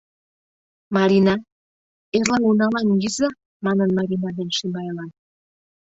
— Марина, эрла унала мийыза, — манын Марина ден Шимайлан.